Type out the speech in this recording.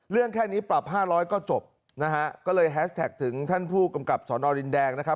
เรื่องแค่นี้ปรับห้าร้อยก็จบนะฮะก็เลยแฮสทาคท์ถึงท่านผู้กำกับสนรดินแดงนะครับ